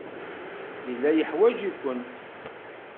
Yella yeḥwaj-ikent.